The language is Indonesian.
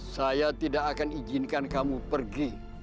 saya tidak akan izinkan kamu pergi